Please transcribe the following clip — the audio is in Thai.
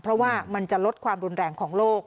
เพราะว่ามันจะลดความรุนแรงของโลก